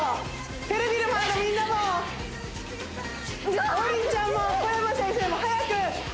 テレビの前のみんなも王林ちゃんも小山先生も速く！